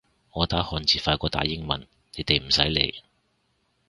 我打漢字快過打英文，你哋唔使理